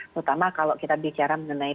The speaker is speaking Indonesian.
terutama kalau kita bicara mengenai